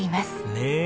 ねえ。